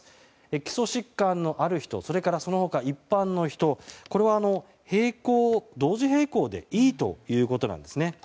基礎疾患のある人それからその他、一般の人これを同時並行でいいということなんですね。